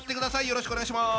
よろしくお願いします。